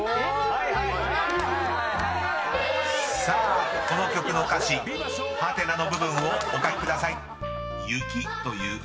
［さあこの曲の歌詞ハテナの部分をお書きください］